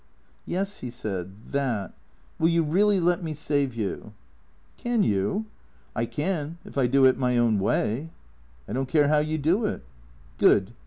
" Yes," he said, " that, Will you really let me save you ?"" Can you ?"" I can, if I do it my own way." " I don't care how you do it." " Good."